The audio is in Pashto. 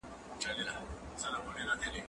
سبزیحات وچ کړه؟!